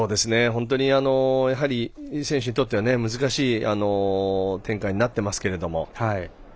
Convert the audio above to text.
本当に選手にとっては難しい展開になってますけども。